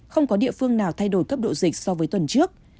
không có địa phương nào thay đổi cấp độ dịch so với tuần trước